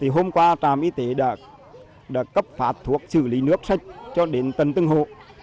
hôm qua tràm y tế đã cấp phát thuốc xử lý nước sách cho đến tầng tương hộ